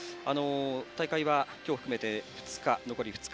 大会は今日含めて残り２日